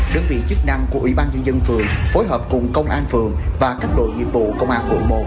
đơn vị chức năng của ủy ban dân dân phường phối hợp cùng công an phường và các đội nhiệm vụ công an hội một